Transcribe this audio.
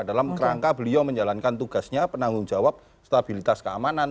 dalam kerangka beliau menjalankan tugasnya penanggung jawab stabilitas keamanan